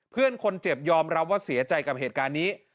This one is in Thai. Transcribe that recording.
เพื่อนคนเจ็บยอมรับว่าเสียใจกับเหตุการณ์นี้